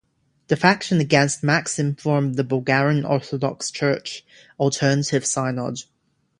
The faction against Maxim formed the Bulgarian Orthodox Church - Alternative synod.